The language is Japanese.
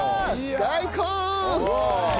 大根！